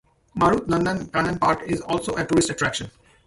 Marut Nandan Kanan Park is also a tourist attraction.